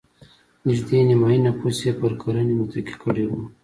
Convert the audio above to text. نږدې نیمايي نفوس یې پر کرنې متکي کړی و.